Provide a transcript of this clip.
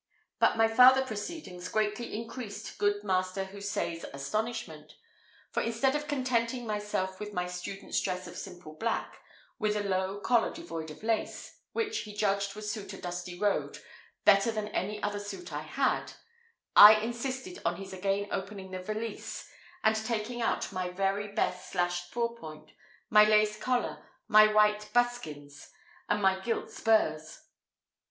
But my farther proceedings greatly increased good master Houssaye's astonishment; for instead of contenting myself with my student's dress of simple black, with a low collar devoid of lace, which he judged would suit a dusty road better than any other suit I had, I insisted on his again opening the valise, and taking out my very best slashed pourpoint, my lace collar, my white buskins, and my gilt spurs.